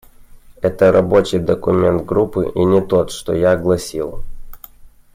Это рабочий документ Группы, и не тот, что я огласил.